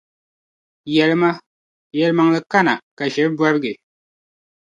Yεlima: Yεlimaŋli kana, ka ʒiri bɔrgi.